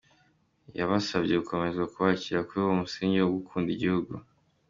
Yabasabye gukomeza kubakira kuri uwo musingi wo gukunda igihugu.